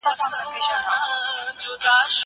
کېدای سي مينه پټه وي!